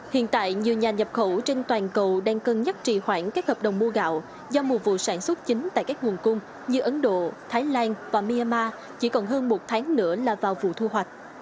hiện tại nhiều nhà nhập khẩu trên toàn cầu đang cân nhắc trì khoản các hợp đồng mua gạo do mùa vụ sản xuất chính tại các nguồn cung như ấn độ thái lan và myanmar chỉ còn hơn một tháng nữa là vào vụ thu hoạch